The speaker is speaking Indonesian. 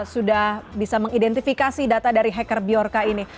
sudah bisa mengidentifikasi data dari hacker biorca ini